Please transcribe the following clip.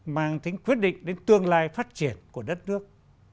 mang tính quyết định đến tương lai phát triển của đất nước